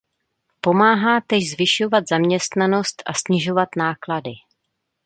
Pomáhá též zvyšovat zaměstnanost a snižovat náklady.